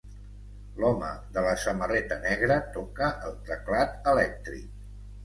L'home de la samarreta negra toca el teclat elèctric.